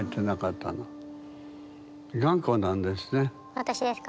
私ですか？